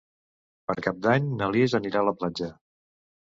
Per Cap d'Any na Lis anirà a la platja.